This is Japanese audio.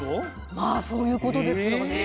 まあそういうことですよね。